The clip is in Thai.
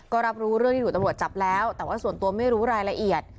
ก็รับรู้เรื่องที่ถูกตำรวจจับแล้วแต่ว่าส่วนตัวไม่รู้รายละเอียด